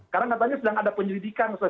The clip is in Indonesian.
karena katanya sedang ada penyelidikan